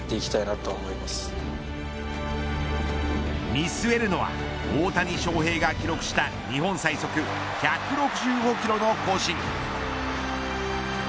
見据えるのは大谷翔平が記録した日本最速１６５キロの更新。